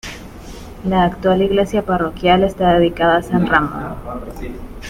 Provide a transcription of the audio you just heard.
La actual iglesia parroquial está dedicada a San Ramón.